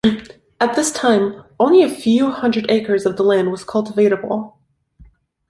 At this time only a few hundred acres of the land was cultivatable.